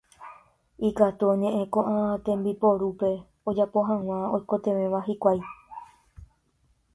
ikatu oñe'ẽ ko'ã tembiporúpe ojapo hag̃ua oikotevẽva hikuái.